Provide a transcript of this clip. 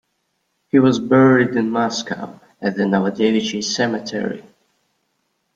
He was buried in Moscow, at the Novodevichy Cemetery.